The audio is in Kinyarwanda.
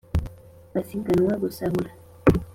Basiganwa gusahura.